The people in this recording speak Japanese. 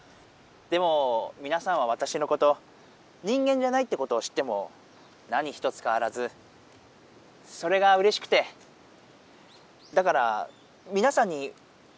でもみなさんはわたしのこと人間じゃないってことを知っても何一つかわらずそれがうれしくてだからみなさんにおれいがしたいんです。